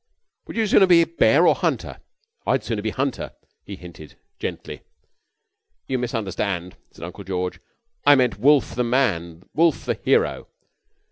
Would you sooner be bear or hunter? I'd sooner be hunter," he hinted gently. "You misunderstand," said Uncle George. "I mean Wolfe the man, Wolfe the hero."